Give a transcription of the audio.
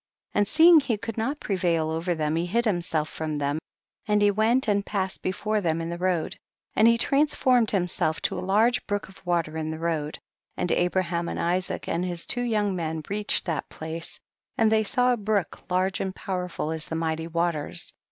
and seeing he could not prevail over them he hid himself from them, and he went and passed before them in the road ; and he transformed him self to a large brook of water in the road, and Abraham and Isaac and his two young men reached that place, and they saw a brook large and powerful as the mighty waters.